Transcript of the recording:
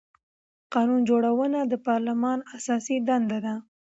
قانون جوړونه د پارلمان اساسي دنده ده